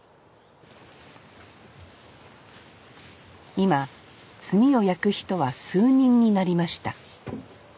今炭を焼く人は数人になりました